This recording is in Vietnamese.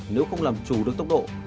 nếu không làm chủ được tốc độ